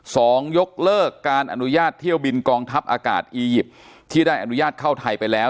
ยกเลิกการอนุญาตเที่ยวบินกองทัพอากาศอียิปต์ที่ได้อนุญาตเข้าไทยไปแล้ว